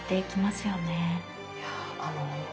いやあの